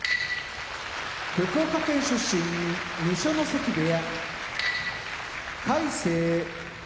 福岡県出身二所ノ関部屋魁聖